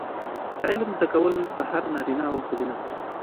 د علم زده کول په هر نارینه او ښځینه فرض دي.